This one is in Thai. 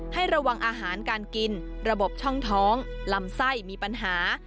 ให้ระวังอาหารการกินระบบช่องท้องลำไส้มีปัญหา